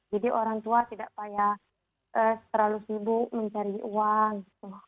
jadi orang tua tidak payah terlalu sibuk mencari uang